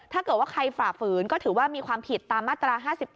ถ้าเกิดว่าใครฝ่าฝืนก็ถือว่ามีความผิดตามมาตรา๕๑